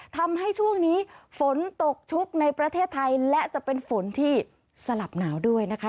ทำให้ช่วงนี้ฝนตกชุกในประเทศไทยและจะเป็นฝนที่สลับหนาวด้วยนะคะ